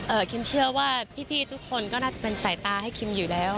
คิมเชื่อว่าพี่ทุกคนก็น่าจะเป็นสายตาให้คิมอยู่แล้ว